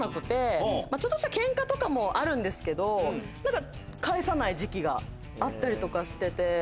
ちょっとしたケンカとかもあるんですけど何か返さない時期があったりとかしてて。